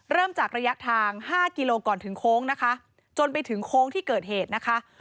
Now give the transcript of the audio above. เริ่มจากระยะทาง๕กิโลก่อนถึงโค้งนะคะจนไปถึงโค้งที่เกิดเหตุนะคะ